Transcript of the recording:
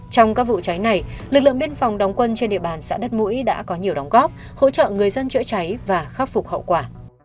trong các vụ cháy này lực lượng biên phòng đóng quân trên địa bàn xã đất mũi đã có nhiều đóng góp hỗ trợ người dân chữa cháy và khắc phục hậu quả